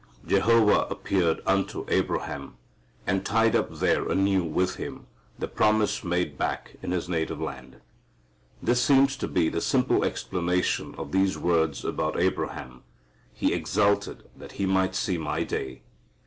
"Jehovah appeared unto Abraham," and tied up there anew with him the promise made back in his native land. This seems to be the simple explanation of these words about Abraham. "He exulted that he might see my day.